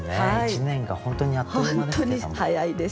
一年が本当にあっという間で。